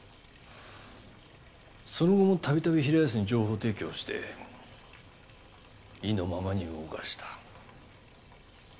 その後も度々平安に情報提供をして意のままに動かした。